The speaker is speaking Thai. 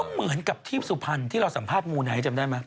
เหมือนกับที่สุพรรณที่เราสัมภาษณ์มูไนท์จำได้ไหม